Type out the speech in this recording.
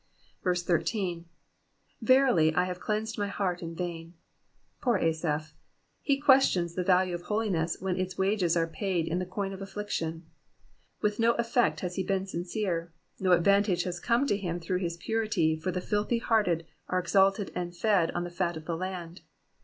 13. ^^ Verily I have cleansed my heart in tain,'*'' Poor Asaph ! he questions the value of holiness when its wages are paid in the coin of affliction. With no effect has he been sfncere ; no advantage has come to him through his purity, for the filthy hearted are exalted and fed on the fat of the land.